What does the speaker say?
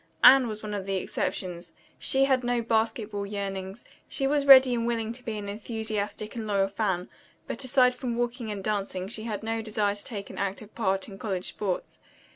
Anne was one of the exceptions. She had no basketball yearnings. She was ready and willing to be an enthusiastic and loyal fan, but aside from walking and dancing she had no desire to take an active part in college sports.